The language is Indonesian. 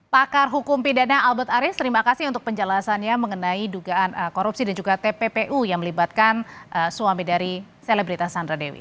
pakar hukum pidana albert aris terima kasih untuk penjelasannya mengenai dugaan korupsi dan juga tppu yang melibatkan suami dari selebritas sandra dewi